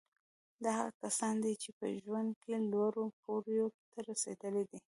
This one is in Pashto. دا هغه کسان دي چې په ژوند کې لوړو پوړیو ته رسېدلي دي